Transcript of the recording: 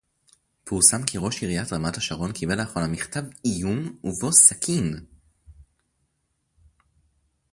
פורסם כי ראש עיריית רמת-השרון קיבל לאחרונה מכתב איום ובו סכין